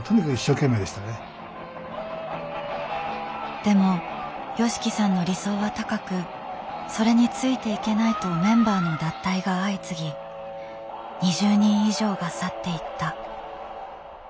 でもＹＯＳＨＩＫＩさんの理想は高くそれについていけないとメンバーの脱退が相次ぎ２０人以上が去っていった。